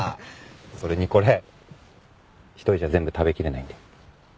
それにこれ一人じゃ全部食べきれないんで。